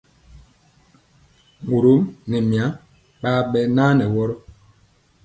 Morom nɛ mya ɓaa ɓɛ naa nɛ wɔrɔ.